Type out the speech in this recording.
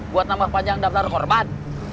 buat nambah panjang daftar korban